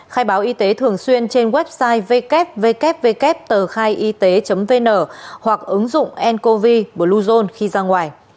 khai báo y tế thường xuyên trên website www tờkhaiyt vn hoặc ứng dụng ncovi bluezone khi ra ngoài